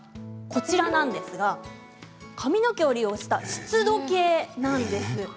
こちらですが髪の毛を利用した湿度計なんです。